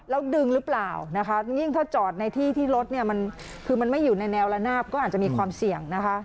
แล้วดึงหรือเปล่านะคะยิ่งถ้าจอดในที่ที่รถเนี่ยมันคือมันไม่อยู่ในแนวระนาบก็อาจจะมีความเสี่ยงนะคะ